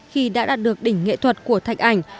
khi đã đạt được đỉnh nghệ thuật của thạch ảnh